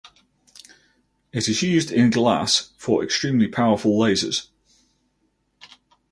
It is used in glass for extremely powerful lasers.